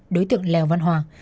đối tượng lèo văn hoàng